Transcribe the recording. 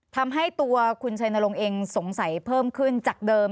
ทำให้ตัวคุณชัยนรงค์เองสงสัยเพิ่มขึ้นจากเดิม